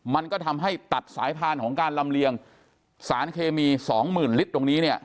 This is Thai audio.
มันก็ทำให้ตัดสายพานของการลำเลียงสารเคมี๒๐๐๐๐ลิตรตรงนี้